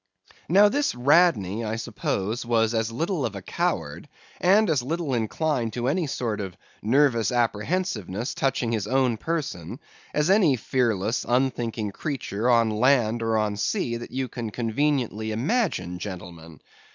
Now this Radney, I suppose, was as little of a coward, and as little inclined to any sort of nervous apprehensiveness touching his own person as any fearless, unthinking creature on land or on sea that you can conveniently imagine, gentlemen.